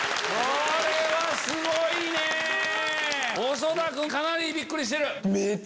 細田君かなりびっくりしてる。